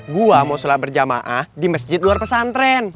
gua mau sholat berjamaah di masjid luar pesantren